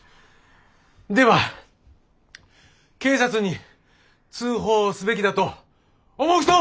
では警察に通報すべきだと思う人！